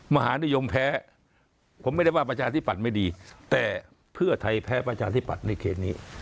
มหานิยมแพ้ผมไม่ได้ว่าประชาธิปัตย์ไม่ดีแต่เพื่อไทยแพ้ประชาธิปัตย์ในเขตนี้